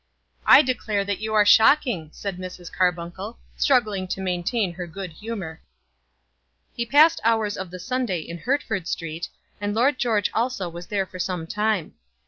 "I declare that you are shocking," said Mrs. Carbuncle, struggling to maintain her good humour. He passed hours of the Sunday in Hertford Street, and Lord George also was there for some time.